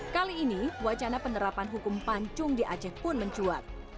kali ini wacana penerapan hukum pancung di aceh pun mencuat